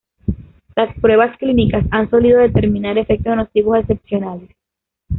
Las pruebas clínicas han solido determinar efectos nocivos excepcionales.